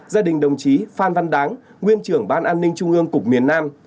gia đình đồng chí phan văn đáng nguyên trưởng ban an ninh trung ương cục miền nam